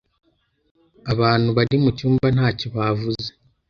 Abantu bari mucyumba ntacyo bavuze.